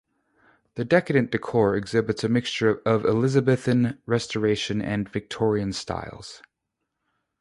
The decadent court exhibits a mixture of Elizabethan, Restoration and Victorian styles.